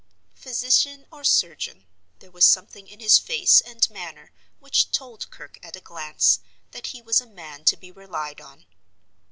Physician or surgeon, there was something in his face and manner which told Kirke at a glance that he was a man to be relied on.